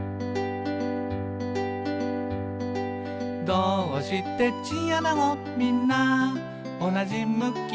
「どーうしてチンアナゴみんなおなじ向き？」